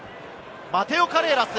マテオ・カレーラス。